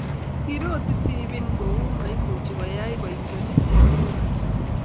Kiroti tibin kuuni maimuchi koyai boisionik che ang'erwn